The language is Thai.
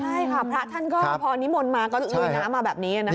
ใช่ค่ะพระท่านก็พอนิมนต์มาก็ลุยน้ำมาแบบนี้นะคะ